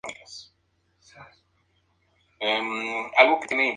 Su último equipo fue el Real Union.